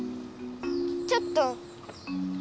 ちょっと。